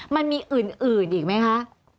มันมีอื่นอีกไหมคะ